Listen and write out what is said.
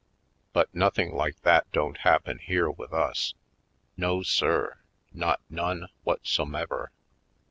But nothing like that don't happen here with us — no sir, not none whatsomever.